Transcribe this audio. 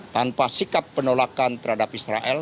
tanpa sikap penolakan terhadap israel